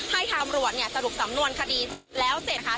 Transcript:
ให้ทางตำรวจเนี่ยสรุปสำนวนคดีแล้วเสร็จค่ะ